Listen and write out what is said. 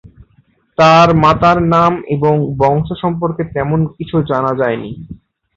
তার মাতার নাম এবং বংশ সর্ম্পকে তেমন কিছু জানা যায়নি।